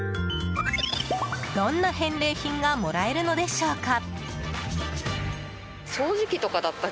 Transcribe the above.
どんな返礼品がもらえるのでしょうか？